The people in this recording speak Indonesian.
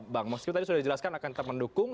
bang muskil tadi sudah dijelaskan akan tetap mendukung